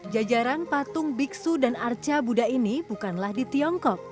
jajaran patung biksu dan arca buddha ini bukanlah di tiongkok